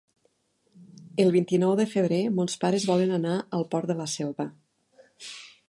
El vint-i-nou de febrer mons pares volen anar al Port de la Selva.